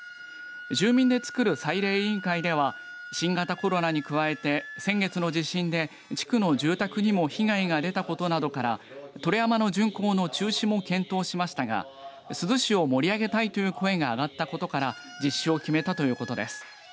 住民で作る祭礼委員会では新型コロナに加えて先月の地震で地区の住宅にも被害が出たことなどから燈籠山の巡行の中止も検討しましたが珠洲市を盛り上げたいという声が上がったことから実施を決めたということです。